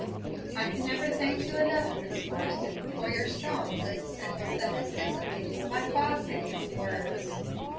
I can never thank you enough, Miss Marsden, for your strong good sense that has dissipated my fog bank of words.